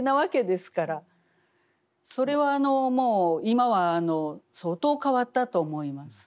それはもう今は相当変わったと思います。